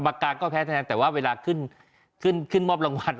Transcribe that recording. กรรมการก็แพ้คะแนนแต่ว่าเวลาขึ้นมอบรางวัล